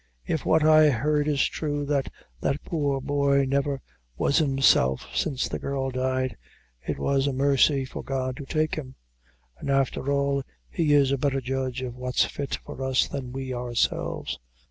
If what I heard is thrue that that poor boy never was himself since the girl died, it was a mercy for God to take him; and afther all He is a betther judge of what's fit for us than we ourselves.